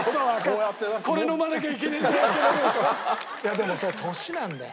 でもそう年なんだよ。